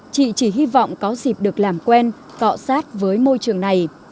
chị chỉ hy vọng có dịp được làm quen cọ sát với môi trường này